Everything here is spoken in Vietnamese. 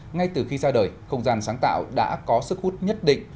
ngay từ khi ra đời không gian sáng tạo đã có sức hút nhất định